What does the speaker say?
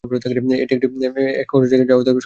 এটি একটি বাজারের জায়গা যা সপ্তাহে এক দিন চালু থাকে।